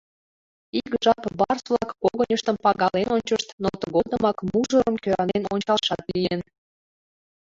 Ик жап барс-влак когыньыштым пагален ончышт, но тыгодымак мужырым кӧранен ончалшат лийын.